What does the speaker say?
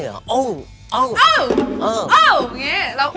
เอ้าเอ้าเอ้า